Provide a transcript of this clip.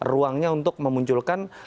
ruangnya untuk memunculkan